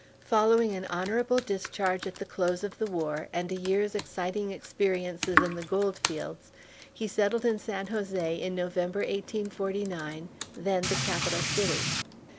Following an honorable discharge at the close of the war, and a year's exciting experiences in the gold fields, he settled in San Jose in November, 1849, then the capital city.